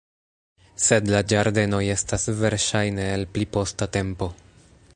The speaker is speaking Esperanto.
Sed la ĝardenoj estas verŝajne el pli posta tempo.